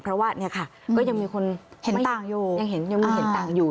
เพราะว่าเนี่ยค่ะก็ยังมีคนเห็นต่างอยู่